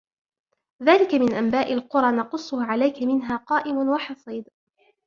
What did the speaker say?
ذَلِكَ مِنْ أَنْبَاءِ الْقُرَى نَقُصُّهُ عَلَيْكَ مِنْهَا قَائِمٌ وَحَصِيدٌ